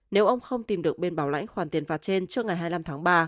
nếu ông không tìm được bên bảo lãnh khoản tiền phạt trên trước ngày hai mươi năm tháng ba